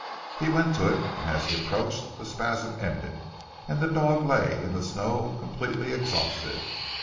He went to it, and as he approached the spasm ended, and the dog lay in the snow completely exhausted.